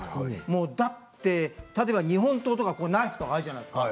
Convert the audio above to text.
だって日本刀をとかナイフとかあるじゃないですか。